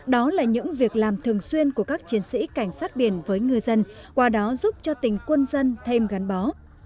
đó là những việc làm thường xuyên của các chiến sĩ cảnh sát biển với ngư dân qua đó giúp cho tỉnh quân dân thêm gắn bó